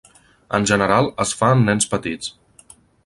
En general es fa en nens petits.